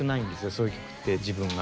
そういう曲って自分が。